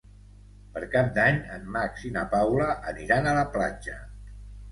Per Cap d'Any en Max i na Paula aniran a la platja.